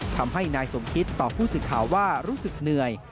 ทำให้นายสมคิตตอบผู้สื่อข่าวว่ารู้สึกเหนื่อย